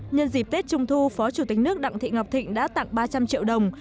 nhân dịp tết trung thu phó chủ tịch nước đặng thị ngọc thịnh đã tặng ba trăm linh triệu đồng